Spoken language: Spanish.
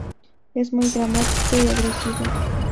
Es muy dramático y agresivo".